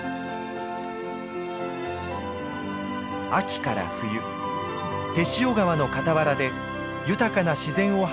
秋から冬天塩川の傍らで豊かな自然を育む河跡